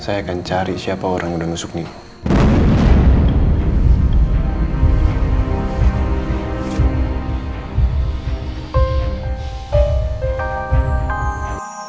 saya akan cari siapa orang yang udah ngesuk nino